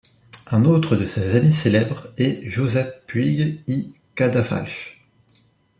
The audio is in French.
Un autre de ses amis célèbres est Josep Puig i Cadafalch.